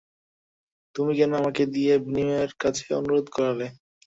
তুমি কেন আমাকে দিয়ে বিনয়ের কাছে অনুরোধ করালে?